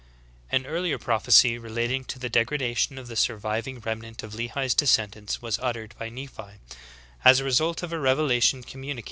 "^ 38. An earlier prophecy relating to the degradation of the surviving remnant of Lehi's descendants, was uttered by Nephi, as a result of a revelation communicat."